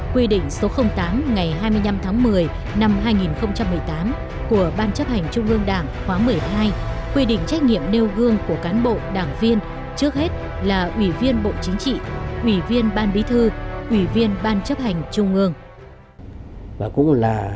quy định số tám ngày hai mươi năm tháng một mươi năm hai nghìn một mươi tám của ban chấp hành trung ương đảng khóa một mươi hai quy định trách nhiệm nêu gương của cán bộ đảng viên trước hết là ủy viên bộ chính trị ủy viên ban bí thư ủy viên ban chấp hành trung ương